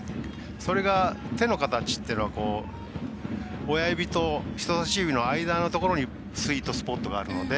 それが、手の形というのが親指と人さし指のところにスイートスポットがあるので。